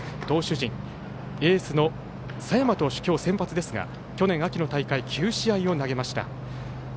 投手陣、エースの佐山投手は今日先発ですが去年秋の大会９試合を投げました。